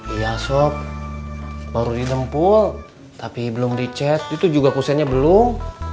iya swab baru didempul tapi belum dicet itu juga kusennya belum